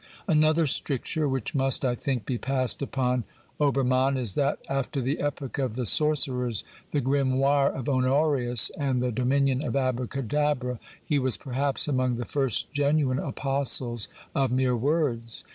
Another stricture which must, I think, be passed upon Obermann is that after the epoch of the sorcerers, the Grimoire of Honorius, and the dominion of Abracadabra, he was perhaps among the first genuine apostles of mere words.